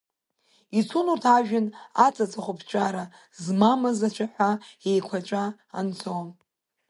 Ицон урҭ ажәҩан аҵа ҵыхәаԥҵәара змамыз ацәаҳәа еиқәаҵәа анҵо.